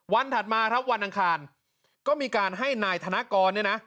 ถัดมาครับวันอังคารก็มีการให้นายธนกรเนี่ยนะ